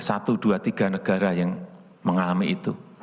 satu dua tiga negara yang mengalami itu